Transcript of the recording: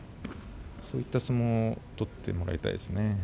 そういった相撲を取ってもらいたいですね。